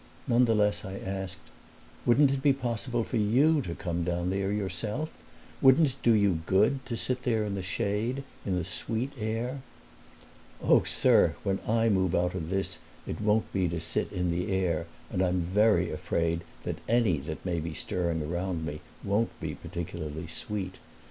Nonetheless I asked, "Wouldn't it be possible for you to come down there yourself? Wouldn't it do you good to sit there in the shade, in the sweet air?" "Oh, sir, when I move out of this it won't be to sit in the air, and I'm afraid that any that may be stirring around me won't be particularly sweet!